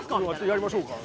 「やりましょうか」